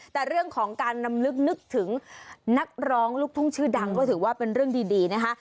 แต่เรื่องของการนำลึกนึกถึงนักร้องลูกทุ่งชื่อดังก็ถือว่าเป็นเรื่องดีนะคะ